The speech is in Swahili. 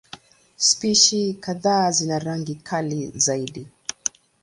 Spishi kadhaa zina rangi kali zaidi.